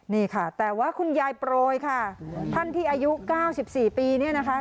นี่ค่ะแต่ว่าคุณยายโปรยค่ะท่านที่อายุ๙๔ปีเนี่ยนะคะ